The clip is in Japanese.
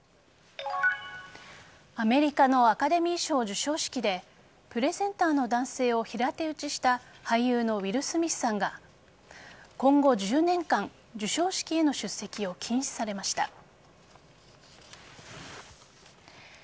アメリカのアカデミー賞授賞式でプレゼンターの男性を平手打ちした俳優のウィル・スミスさんが今後１０年間授賞式への出席を禁止されました。